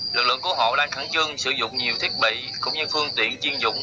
lực lượng cứu hộ đang khẩn trương sử dụng nhiều thiết bị cũng như phương tiện chiên dụng